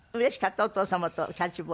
お父様とキャッチボール。